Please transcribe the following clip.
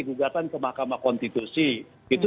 gugatan ke mk itu